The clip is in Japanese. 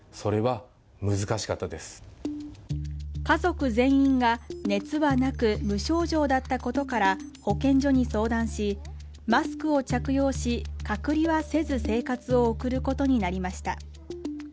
家族全員が熱はなく無症状だったことから保健所に相談し、マスクを着用し隔離はせず生活を送る事になりました。